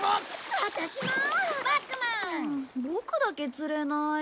ボクだけ釣れない。